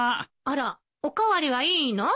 あらお代わりはいいの？